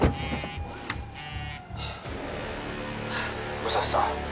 武蔵さん。